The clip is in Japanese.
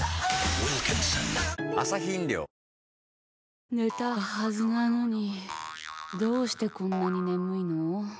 ウィルキンソン寝たはずなのにどうしてこんなに眠いの。